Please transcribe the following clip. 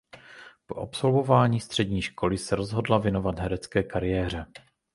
Po absolvování střední školy se rozhodla věnovat herecké kariéře.